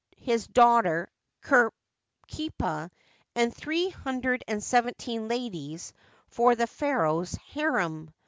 his daughter Kirkipa and three hundred and seventeen ladies for the pharaoh's harem.